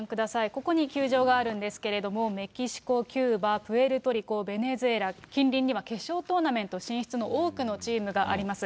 ここに球場があるんですけれども、メキシコ、キューバ、プエルトリコ、ベネズエラ、近隣には決勝トーナメント進出の多くのチームがあります。